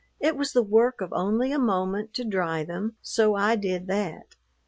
It was the work of only a moment to dry them, so I did that.